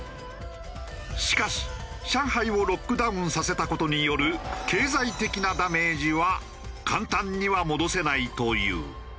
しかし上海をロックダウンさせた事による経済的なダメージは簡単には戻せないという。